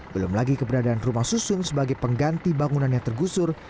belum lagi keberadaan rumah susun sebagai pengganti bangunan yang tergusur